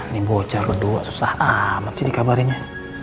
nih bocah berdua susah amat sih dikabarin ya